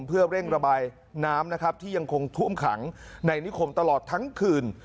เพื่อเร่งระบายน้ำนะครับที่ยังคงท่วมขังในนิคมตลอดทั้งคืน